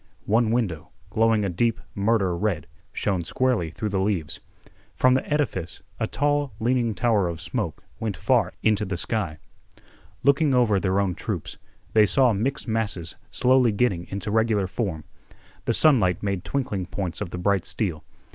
One window, glowing a deep murder red, shone squarely through the leaves. From the edifice a tall leaning tower of smoke went far into the sky. Looking over their own troops, they saw mixed masses slowly getting into regular form. The sunlight made twinkling points of the bright steel.